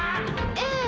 ええ。